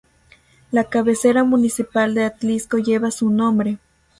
La cabecera municipal de Atlixco lleva su nombre.